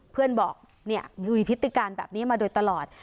เพื่อนบอกเนี่ยมีพฤติการแบบนี้มาโดยตลอด